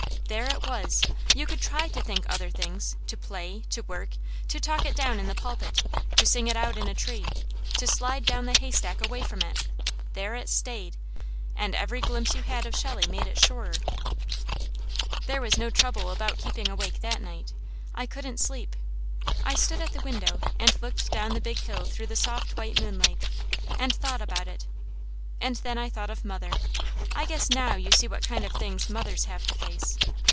There it was! You could try to think other things, to play, to work, to talk it down in the pulpit, to sing it out in a tree, to slide down the haystack away from it there it stayed! And every glimpse you had of Shelley made it surer. There was no trouble about keeping awake that night; I couldn't sleep. I stood at the window and looked down the Big Hill through the soft white moonlight, and thought about it, and then I thought of mother. I guess NOW you see what kind of things mothers have to face.